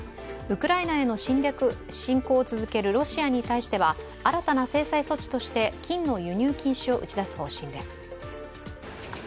ウクライナへの侵攻を続けるロシアに対しては新たな制裁措置として、金の輸入禁止を打ち出す方針です。